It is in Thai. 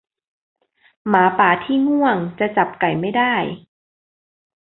หมาป่าที่ง่วงจะจับไก่ไม่ได้